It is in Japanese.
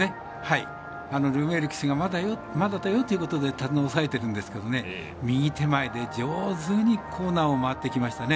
ルメール騎手がまだだよということで手綱を抑えてるんですけど右手前で上手にコーナーを回ってきましたね。